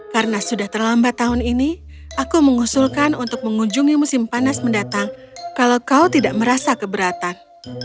karena sudah terlambat tahun ini aku mengusulkan untuk mengunjungi musim panas mendatang kalau kau tidak merasa keberatan